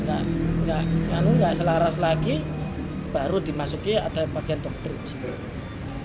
nah itu tidak selaras lagi baru dimasuki atau bagian top drink